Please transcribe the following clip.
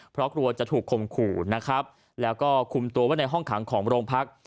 เพราะกลัวจะถูกคมขู่นะครับแล้วก็คุมตัวไว้ในห้องขังของโรงพัก